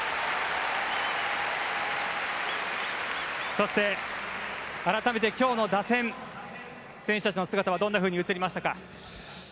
そして改めて今日の打線選手たちの姿はどんなふうに映りましたか？